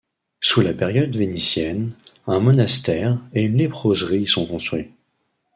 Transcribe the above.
Sous la période vénitienne, un monastère et une léproserie y sont construits.